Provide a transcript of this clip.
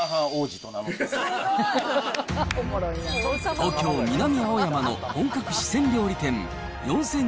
東京・南青山の本格四川料理店、４０００